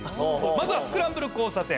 まずはスクランブル交差点。